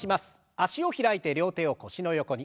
脚を開いて両手を腰の横に。